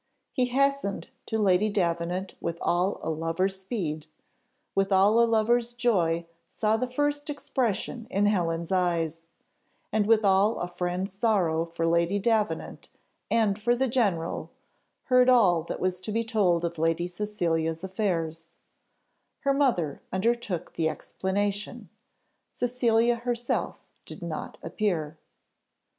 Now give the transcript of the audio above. He hastened to Lady Davenant with all a lover's speed with all a lover's joy saw the first expression in Helen's eyes; and with all a friend's sorrow for Lady Davenant and for the general, heard all that was to be told of Lady Cecilia's affairs: her mother undertook the explanation, Cecilia herself did not appear.